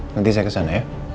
nanti saya kesana ya